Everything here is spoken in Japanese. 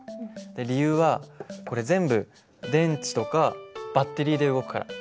理由はこれ全部電池とかバッテリーで動くから。